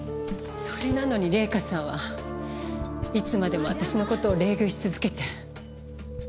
それなのに玲香さんはいつまでも私の事を冷遇し続けて。